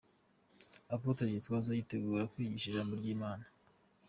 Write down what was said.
Apotre Gitwaza yitegura kwigisha ijambo ry'Imana.